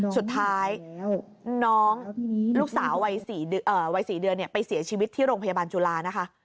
สุดท้ายน้องลูกสาววัย๔เดือนไปเสียชีวิตที่โรงพยาบาลจุฬานะคะ